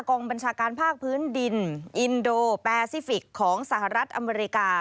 กองบัญชาการภาคพื้นดินอินโดแปซิฟิกของสหรัฐอเมริกา